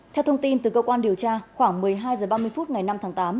theo thông tin từ cơ quan điều tra khoảng một mươi hai h ba mươi phút ngày năm tháng tám